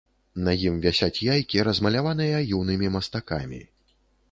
На ім вісяць яйкі, размаляваныя юнымі мастакамі.